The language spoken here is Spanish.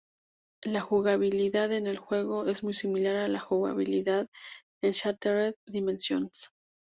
La jugabilidad en el juego es muy similar a la jugabilidad en "Shattered Dimensions".